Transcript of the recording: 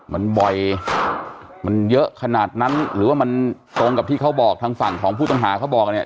มันบ่อยมันเยอะขนาดนั้นหรือว่ามันตรงกับที่เขาบอกทางฝั่งของผู้ต้องหาเขาบอกกันเนี่ย